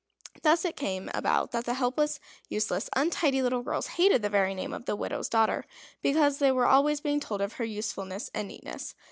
Thus it came about that the helpless, useless, untidy little girls hated the very name of the widow's daughter, because they were always being told of her usefulness and neatness.